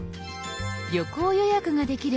旅行予約ができる